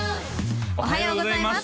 おはようございます